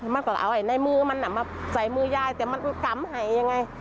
มันก็เอาในมือมันมาใส่มือยายแต่มันกำให้ยังไง